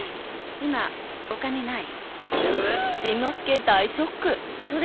今お金ない。